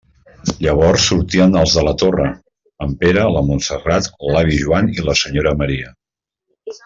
Llavors sortien els de la Torre: en Pere, la Montserrat, l'avi Joan i la senyora Maria.